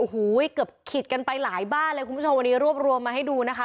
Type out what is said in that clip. โอ้โหเกือบขิดกันไปหลายบ้านเลยคุณผู้ชมวันนี้รวบรวมมาให้ดูนะคะ